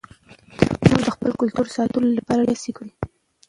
موږ د خپل کلتور ساتلو لپاره ډېرې هڅې کړې دي.